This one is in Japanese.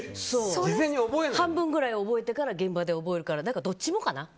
半分ぐらい覚えてから現場で覚えるからだからどっちもかな。